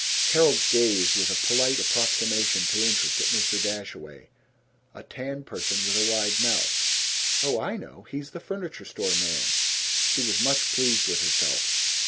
Carol gazed with a polite approximation to interest at Mr. Dashaway, a tan person with a wide mouth. "Oh, I know! He's the furniture store man!" She was much pleased with herself.